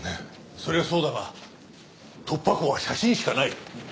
それはそうだが突破口は写真しかない。